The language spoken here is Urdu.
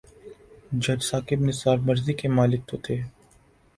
جج ثاقب نثار مرضی کے مالک تو تھے۔